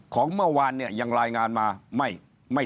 ของเมื่อวานเนี่ยยังรายงานมาไม่ไม่